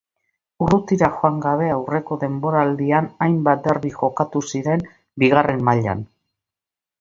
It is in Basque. Urrutira joan gabe aurreko denboraldian hainbat derbi jokatu ziren bigarren mailan.